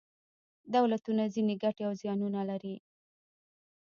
دولتونه ځینې ګټې او زیانونه لري.